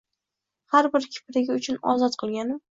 Har bir kiprigi uchun ozod qilganim